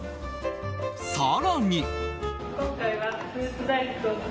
更に。